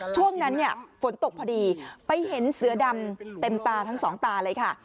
ช่วงนั้นเนี่ยฝนตกพอดีไปเห็นเสือดำเต็มตาทั้งสองตาเลยค่ะ